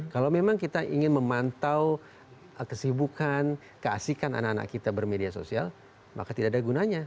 kalau memang kita ingin memantau kesibukan keasikan anak anak kita bermedia sosial maka tidak ada gunanya